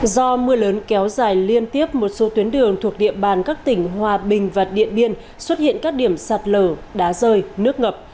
do mưa lớn kéo dài liên tiếp một số tuyến đường thuộc địa bàn các tỉnh hòa bình và điện biên xuất hiện các điểm sạt lở đá rơi nước ngập